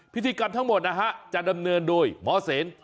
พิธีกรรมทั้งหมดนะฮะจะดำเนินโดยหมอเสน